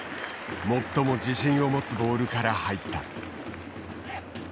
最も自信を持つボールから入った。